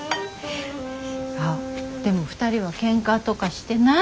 あでも２人はケンカとかしてない？